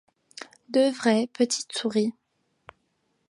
Deux vraies petites souris!